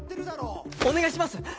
お願いします！